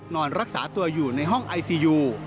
นอนรักษาตัวอยู่ในห้องไอซียู